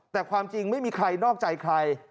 แต่ความจริงไม่มีใครนอกใจใคร